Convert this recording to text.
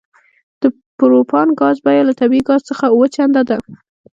د پروپان ګاز بیه له طبیعي ګاز څخه اوه چنده ده